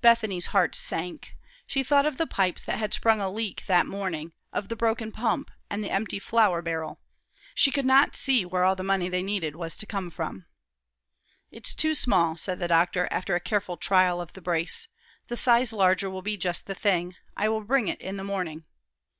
Bethany's heart sank. She thought of the pipes that had sprung a leak that morning, of the broken pump, and the empty flour barrel. She could not see where all the money they needed was to come from. "It's too small," said the doctor, after a careful trial of the brace. "The size larger will be just the thing. I will bring it in the morning."